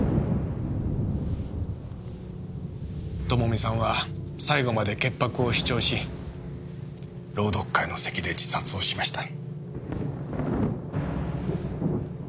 朋美さんは最後まで潔白を主張し朗読会の席で自殺をしました。